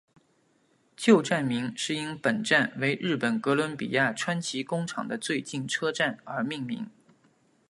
旧站名是因本站为日本哥伦比亚川崎工厂的最近车站而命名。